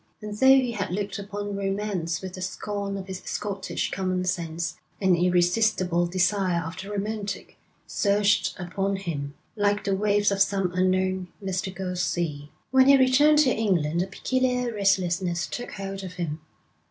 And though he had looked upon romance with the scorn of his Scottish common sense, an irresistible desire of the romantic surged upon him, like the waves of some unknown, mystical sea. When he returned to England a peculiar restlessness took hold of him.